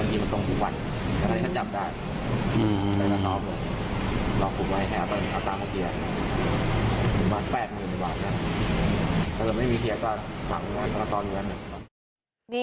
สั่งก็ซ่อนเงิน